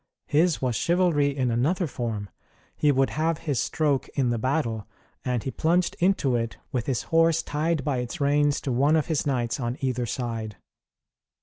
His was chivalry in another form! He would have his stroke in the battle, and he plunged into it with his horse tied by its reins to one of his knights on either side.